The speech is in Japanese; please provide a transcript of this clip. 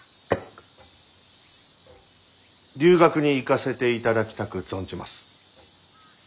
留学に行かせていただきたく存じます。